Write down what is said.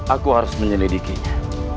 aku harus menyelidikinya